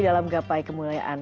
dalam gapai kemuliakan